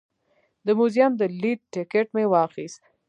د موزیم د لیدو ټکټ مې واخیست.